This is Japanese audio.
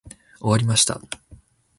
終わりました。